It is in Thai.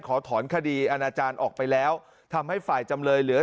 ขอถอนคดีอาณาจารย์ออกไปแล้วทำให้ฝ่ายจำเลยเหลือ